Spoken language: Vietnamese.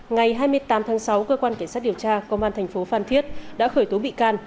ngày hai mươi tám tháng sáu cơ quan cảnh sát điều tra công an thành phố phan thiết đã khởi tố bị can